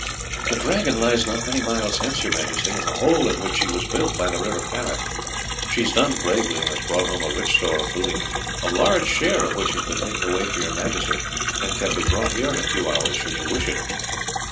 "The Dragon lies not many miles hence, your majesty, in the hole in which she was built, by the river Parrot; she has done bravely and has brought home a rich store of booty, a large share of which has been hidden away for your majesty, and can be brought here in a few hours should you wish it."